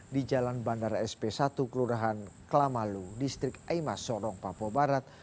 di jalan bandara sp satu kelurahan klamalu distrik aimas sorong papua barat